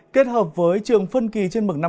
kết hợp với trường phân kỳ trên mực năm